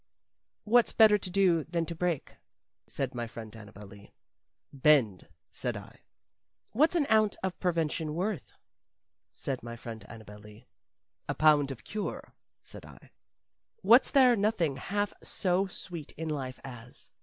"What's better to do than to break?" said my friend Annabel Lee. "Bend," said I. "What's an ounce of prevention worth?" said my friend Annabel Lee. "A pound of cure," said I. "What's there nothing half so sweet in life as?"